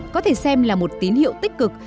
có thể xem là một tín hiệu tích cực